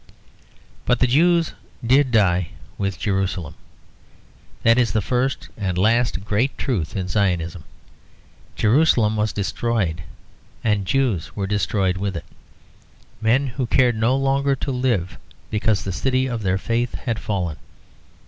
But the Jews did die with Jerusalem. That is the first and last great truth in Zionism. Jerusalem was destroyed and Jews were destroyed with it, men who cared no longer to live because the city of their faith had fallen.